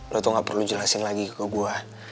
lo tuh gak perlu jelasin lagi ke gue